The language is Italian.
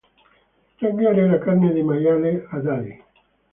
Tagliare la carne di maiale a dadi.